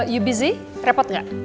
you busy repot gak